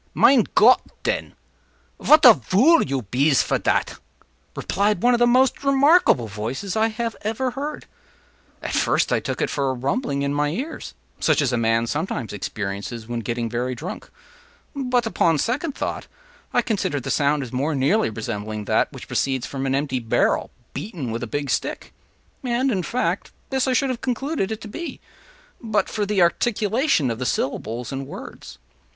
” “Mein Gott, den, vat a vool you bees for dat!” replied one of the most remarkable voices I ever heard. At first I took it for a rumbling in my ears—such as a man sometimes experiences when getting very drunk—but, upon second thought, I considered the sound as more nearly resembling that which proceeds from an empty barrel beaten with a big stick; and, in fact, this I should have concluded it to be, but for the articulation of the syllables and words.